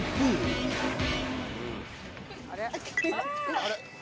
あれ？